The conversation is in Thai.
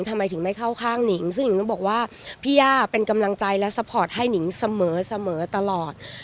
ทำไมถึงไม่เข้าข้างหนิงซึ่งหนิงก็บอกว่าพี่ย่าเป็นกำลังใจและซัพพอร์ตให้หนิงเสมอตลอด